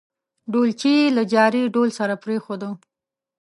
ډولچي یې له جاري ډول سره پرېښوده.